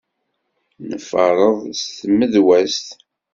Nferreḍ s tmedwazt.